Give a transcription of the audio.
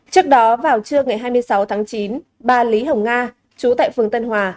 trước đó vào trưa ngày hai mươi sáu tháng chín bà lý hồng nga chú tại phường tân hòa